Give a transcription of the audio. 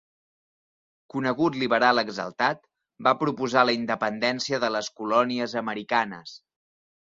Conegut liberal exaltat, va proposar la independència de les colònies americanes.